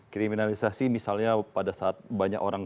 kriminalisasi misalnya pada saat banyak orang